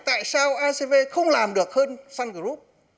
tại sao acv không làm được hơn sun group